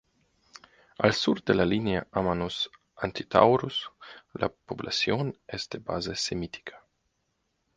Al sur de la línea Amanus-Antitaurus la población es de base semítica.